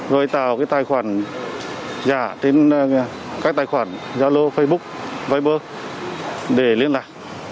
rồi tạo các tài khoản giao lô facebook viber để liên lạc